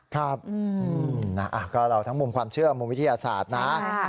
ครับก็เราทั้งมุมความเชื่อมุมวิทยาศาสตร์นะ